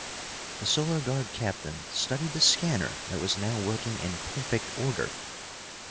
The Solar Guard captain studied the scanner that was now working in perfect order.